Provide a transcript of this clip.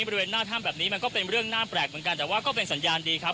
บริเวณหน้าถ้ำแบบนี้มันก็เป็นเรื่องน่าแปลกเหมือนกันแต่ว่าก็เป็นสัญญาณดีครับ